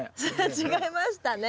違いましたね。